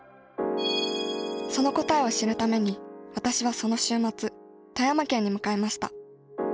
その答えを知るために私はその週末富山県に向かいました。